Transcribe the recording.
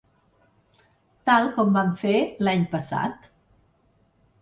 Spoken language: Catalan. Tal com van fer l’any passat.